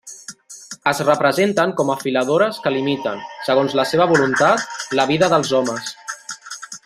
Es representen com a filadores que limiten, segons la seva voluntat, la vida dels homes.